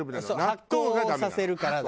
発酵させるから。